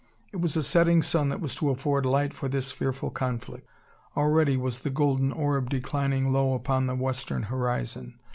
It was a setting sun that was to afford light for this fearful conflict. Already was the golden orb declining low upon the western horizon.